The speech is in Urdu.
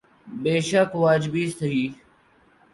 بیشک واجبی سہی۔